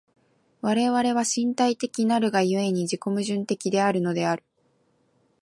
我々は身体的なるが故に、自己矛盾的であるのである。